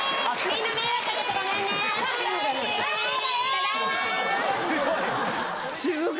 ただいま！